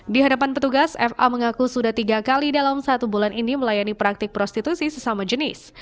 di hadapan petugas fa mengaku sudah tiga kali dalam satu bulan ini melayani praktik prostitusi sesama jenis